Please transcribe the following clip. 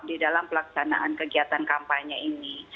di dalam pelaksanaan kegiatan kampanye ini